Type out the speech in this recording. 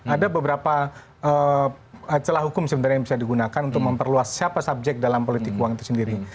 ada beberapa celah hukum sebenarnya yang bisa digunakan untuk memperluas siapa subjek dalam politik uang itu sendiri